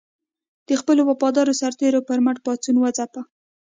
د خپلو وفادارو سرتېرو پر مټ پاڅون وځپه.